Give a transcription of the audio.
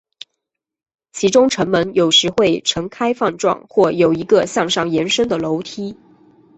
其中城门有时会呈开放状或有一个向上延伸的楼梯。